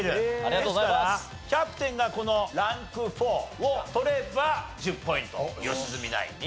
ですからキャプテンがこのランク４を取れば１０ポイント良純ナインに入ると。